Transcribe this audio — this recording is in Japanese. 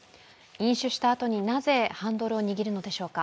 飲酒したあとに、なぜハンドルを握るのでしょうか。